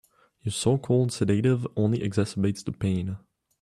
Your so-called sedative only exacerbates the pain.